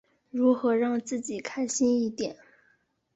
如何让自己开心一点？